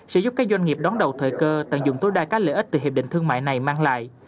sẽ giúp các doanh nghiệp đón đầu thời cơ tận dụng tối đa các lợi ích từ hiệp định thương mại này mang lại